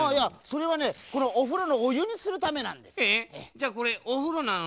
じゃあこれおふろなの？